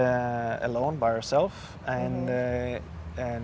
dan mulanya agak perlahan